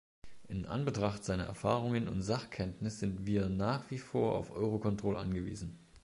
In Anbetracht seiner Erfahrungen und Sachkenntnis sind wir nach wie vor auf Eurocontrol angewiesen.